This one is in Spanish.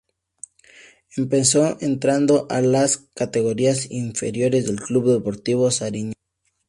Empezó entrenando a las categorías inferiores del Club Deportivo Sariñena.